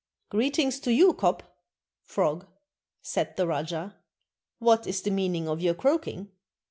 'Greetings to you, Kop (frog),' said the rajah. * What is the meaning of your croaking?'